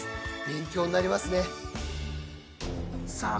勉強になりますねさあ